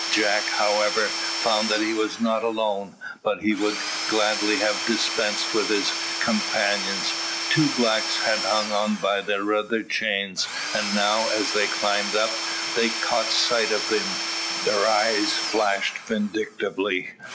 Jack, however, found that he was not alone; but he would gladly have dispensed with his companions. Two blacks had hung on by the rudder chains, and now, as they climbed up, they caught sight of him. Their eyes flashed vindictively.